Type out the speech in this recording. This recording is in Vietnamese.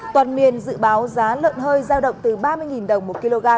toàn miền dự báo giá lợn hơi giao động từ ba mươi đồng một kg